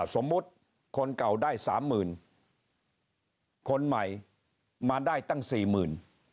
สมมุติคนเก่าได้สามหมื่นคนใหม่มาได้ตั้งสี่หมื่น